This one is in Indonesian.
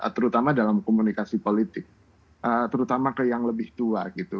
terutama dalam komunikasi politik terutama ke yang lebih tua gitu